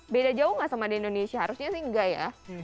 beda jauh nggak sama di indonesia harusnya sih enggak ya